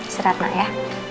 serap nak ya